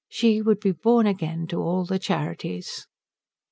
she would be born again to all the charities.